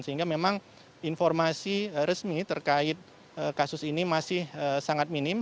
sehingga memang informasi resmi terkait kasus ini masih sangat minim